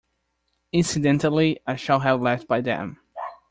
Incidentally, I shall have left by then.